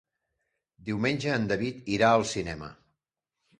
Diumenge en David irà al cinema.